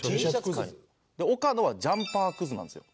岡野はジャンパークズなんですよ。